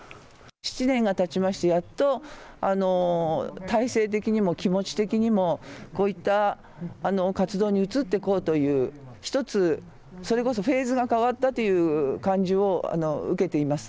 ７年がたちまして、やっと体制的にも気持ち的にもこういった活動に移っていこうという一つ、それこそフェーズが変わったという感じを受けています。